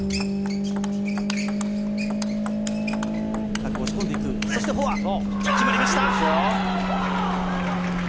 深く押し込んでいくそして、フォア決まりました！